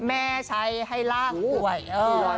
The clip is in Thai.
แม่ชัยให้ลากห่วย